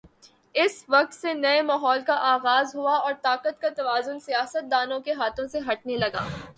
اس وقت سے نئے ماحول کا آغاز ہوا اور طاقت کا توازن سیاستدانوں کے ہاتھوں سے ہٹنے لگا۔